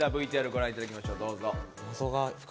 ＶＴＲご覧いただきましょう。